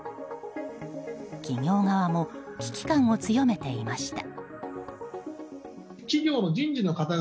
企業側も危機感を強めていました。